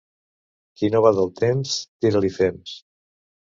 Qui no va del temps, tira-li fems.